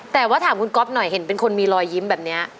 แต่ว่าถามคุณก๊อฟหน่อยเห็นเป็นคนมีรอยยิ้มแบบนี้